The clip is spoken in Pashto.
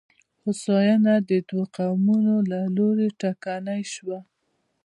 هوساینه د دوو قوتونو له لوري ټکنۍ شوه.